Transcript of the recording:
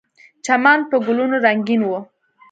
چمن په ګلونو رنګین و.